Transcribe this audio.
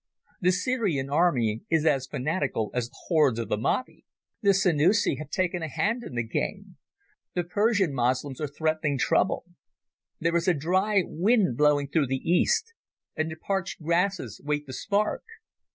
The Syrian army is as fanatical as the hordes of the Mahdi. The Senussi have taken a hand in the game. The Persian Moslems are threatening trouble. There is a dry wind blowing through the East, and the parched grasses wait the spark.